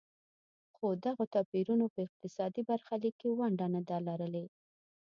خو دغو توپیرونو په اقتصادي برخلیک کې ونډه نه ده لرلې.